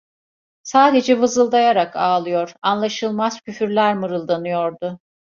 Sadece vızıldayarak ağlıyor, anlaşılmaz küfürler mırıldanıyordu.